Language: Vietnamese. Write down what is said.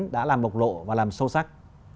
đã làm bộc lộ và làm sâu sắc